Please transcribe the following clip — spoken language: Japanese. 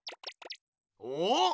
おっ！